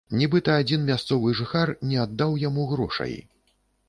Нібыта, адзін мясцовы жыхар не аддаў яму грошай.